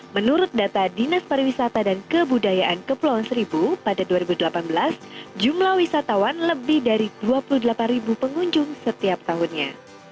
menurut data dinas pariwisata dan kebudayaan kepulauan seribu pada dua ribu delapan belas jumlah wisatawan lebih dari dua puluh delapan pengunjung setiap tahunnya